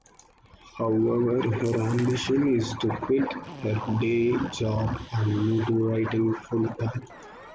However, her ambition is to quit her day job and move to writing full-time.